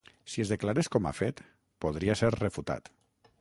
Si es declarés com a fet, podria ser refutat.